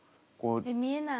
見えない！